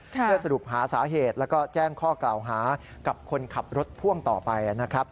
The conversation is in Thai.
เพื่อสรุปหาสาเหตุแล้วก็แจ้งข้อกล่าวหากับคนขับรถพ่วงต่อไปนะครับ